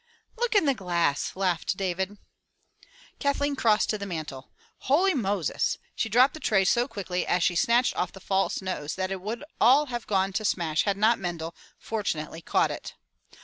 "Look in the glass!" laughed David. Kathleen crossed to the mantel. "Houly Moses." She dropped the tray so quickly as she snatched off the false nose that it would all have gone to smash had not Mendel, fortu nately, caught it.